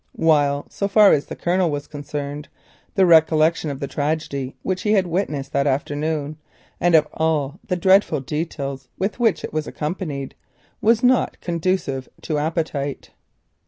So far as the Colonel was concerned, the recollection of the tragedy he had witnessed that afternoon, and of all the dreadful details with which it was accompanied, was not conducive to appetite.